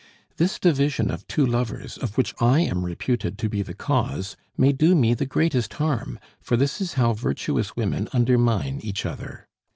"This division of two lovers, of which I am reputed to be the cause, may do me the greatest harm, for this is how virtuous women undermine each other.